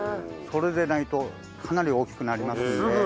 それでないとかなり大きくなりますんで。